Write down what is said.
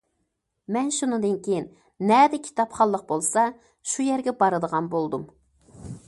مەن شۇنىڭدىن كېيىن، نەدە كىتابخانلىق بولسا، شۇ يەرگە بارىدىغان بولدۇم.